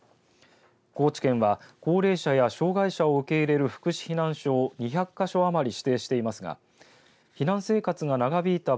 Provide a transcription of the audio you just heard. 高知県は高齢者や障害者を受け入れる福祉避難所を２００か所余り指定していますが避難生活が長引いた